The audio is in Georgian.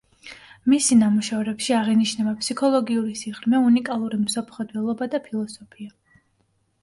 მისი ნამუშევრებში აღინიშნება ფსიქოლოგიური სიღრმე, უნიკალური მსოფლმხედველობა და ფილოსოფია.